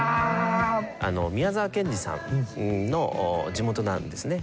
宮沢賢治さんの地元なんですね。